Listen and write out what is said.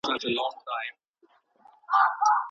که کتابونه د ماشوم په خوښه وي نو ډیر یې لولي.